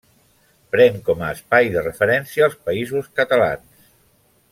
Pren com a espai de referència els Països Catalans.